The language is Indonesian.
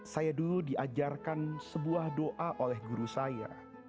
saya dulu diajarkan sebuah doa oleh guru saya